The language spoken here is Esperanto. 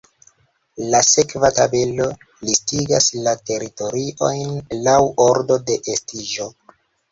La sekva tabelo listigas la teritoriojn laŭ ordo de estiĝo.